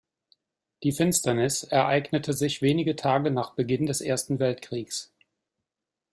Die Finsternis ereignete sich wenige Tage nach Beginn des Ersten Weltkrieges.